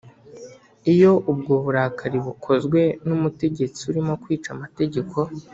iyo ubwo burakari bukozwe n' umutegetsi urimo kwica amategeko